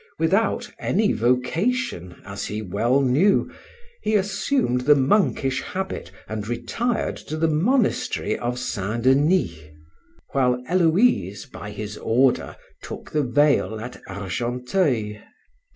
Without any vocation, as he well knew, he assumed the monkish habit and retired to the monastery of St. Denis, while Héloïse, by his order, took the veil at Argenteuil.